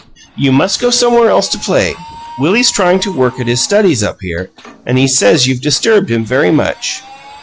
"You must go somewhere else to play. Willie's trying to work at his studies up here, and he says you've disturbed him very much."